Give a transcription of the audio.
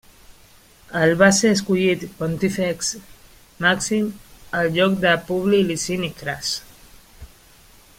El va ser escollit Pontífex Màxim al lloc de Publi Licini Cras.